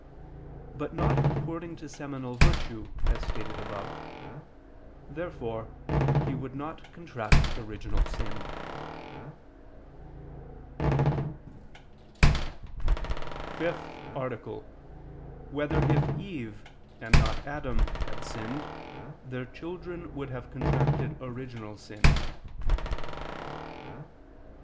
], but not according to seminal virtue, as stated above. Therefore he would not contract original sin. ________________________ FIFTH ARTICLE [I II, Q. 81, Art. 5] Whether If Eve, and Not Adam, Had Sinned, Their Children Would Have Contracted Original Sin?